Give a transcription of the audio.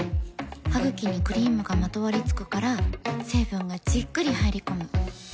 ハグキにクリームがまとわりつくから成分がじっくり入り込む。